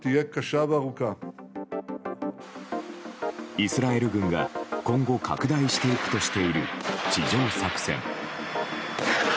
イスラエル軍が今後拡大していくとしている地上作戦。